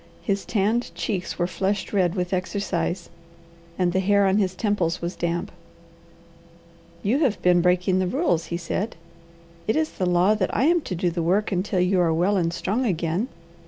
His tanned cheeks were flushed red with exercise, and the hair on his temples was damp. "You have been breaking the rules," he said. "It is the law that I am to do the work until you are well and strong again.